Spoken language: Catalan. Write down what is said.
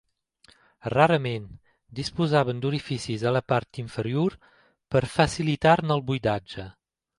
Rarament, disposaven d'orificis a la part inferior per a facilitar-ne el buidatge.